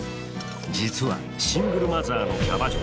実はシングルマザーのキャバ嬢。